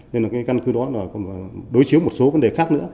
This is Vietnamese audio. nên căn cứ đó đối chiếu một số vấn đề khác nữa